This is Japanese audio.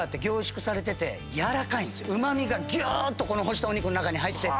うま味がぎゅーっと干したお肉の中に入ってて。